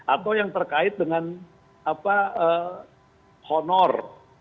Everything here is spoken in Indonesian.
atau yang terkait dengan honor